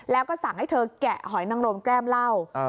แล้วก็สั่งให้เธอแกะหอยนังรมแก้มเหล้า